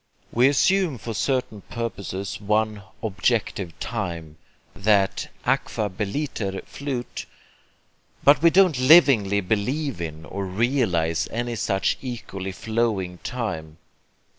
We assume for certain purposes one 'objective' Time that AEQUABILITER FLUIT, but we don't livingly believe in or realize any such equally flowing time.